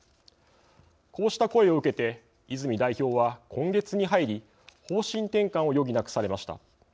こうした声を受けて泉代表は今月に入り方針転換を余儀なくされました。